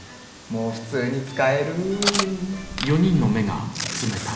もう普通に使える。